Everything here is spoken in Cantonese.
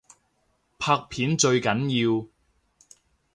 拍片最緊要